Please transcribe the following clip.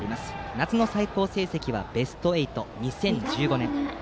夏の最高成績はベスト８の２０１５年。